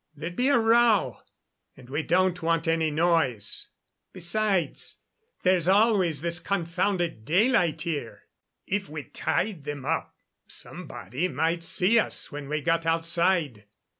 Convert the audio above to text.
There'd be a row, and we don't want any noise. Besides, there's always this confounded daylight here. If we tied them up somebody might see us when we got outside.